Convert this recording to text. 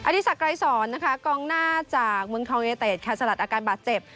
อธิษฐกรายสอนกองหน้าจากเมืองท้องเยเตศแคสเซลลัดอาการบาดเจ็บ